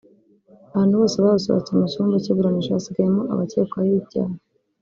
Abantu bose basohotse mu cyumba cy’iburanisha hasigayemo abakekwaho ibyaha